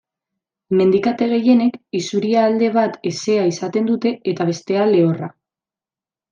Mendikate gehienek isurialde bat hezea izaten dute eta bestea lehorra.